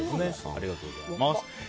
ありがとうございます。